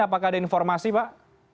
apakah ada informasi pak